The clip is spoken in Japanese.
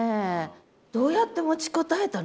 どうやって持ちこたえたの？